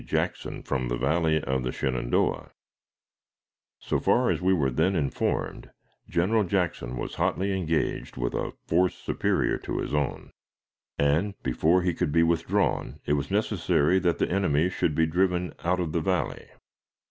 Jackson from the Valley of the Shenandoah. So far as we were then informed, General Jackson was hotly engaged with a force superior to his own, and, before he could be withdrawn, it was necessary that the enemy should be driven out of the Valley.